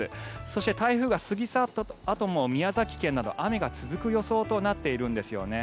そして台風が過ぎ去ったあとも宮崎県など雨が続く予想となっているんですよね。